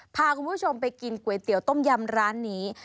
พาคุณผู้ชมไปกินก๋วยเตี๋ยวต้มยำร้านนี้